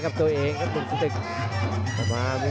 สวัสดิ์นุ่มสตึกชัยโลธสวัสดิ์